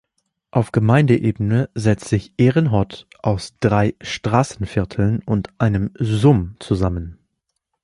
Auf Gemeindeebene setzt sich Eren Hot aus drei Straßenvierteln und einem Sum zusammen.